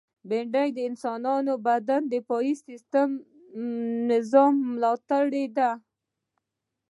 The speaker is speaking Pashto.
بېنډۍ د انساني بدن د دفاعي نظام ملاتړې ده